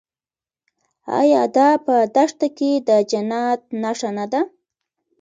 آیا دا په دښته کې د جنت نښه نه ده؟